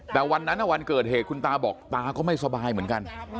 แต่วันนั้นวันเกิดเหตุคุณตาบอกตาก็ไม่สบายเหมือนกัน